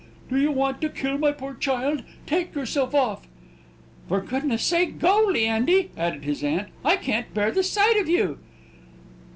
"Do you want to kill my poor child? Take yourself off!" "For goodness' sake, go, Leandy," added his aunt. "I can't bear the sight of you!"